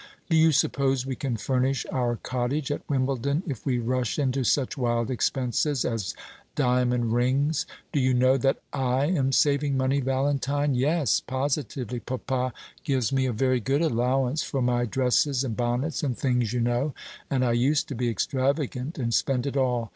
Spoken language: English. "Do you suppose we can furnish our cottage at Wimbledon if we rush into such wild expenses as diamond rings? Do you know that I am saving money, Valentine? Yes, positively. Papa gives me a very good allowance for my dresses, and bonnets, and things, you know, and I used to be extravagant and spend it all.